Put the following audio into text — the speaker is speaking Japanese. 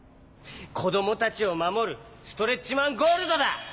こどもたちをまもるストレッチマン・ゴールドだ！